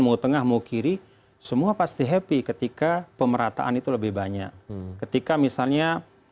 mau tengah mau kiri semua pasti happy ketika pemerataan itu lebih banyak ketika misalnya